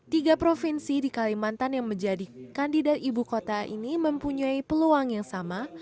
tiga provinsi di kalimantan yang menjadi kandidat ibu kota ini mempunyai peluang yang sama